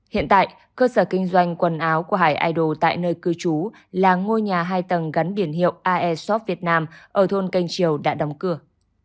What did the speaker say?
hiện tại cơ sở kinh doanh quần áo của hải idol tại nơi cư trú là ngôi nhà hai tầng gắn biển hiệu iae shop việt nam ở thôn canh triều đã đóng cửa